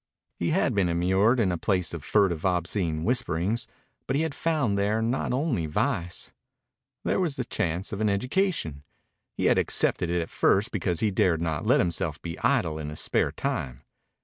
He had been immured in a place of furtive, obscene whisperings, but he had found there not only vice. There was the chance of an education. He had accepted it at first because he dared not let himself be idle in his spare time.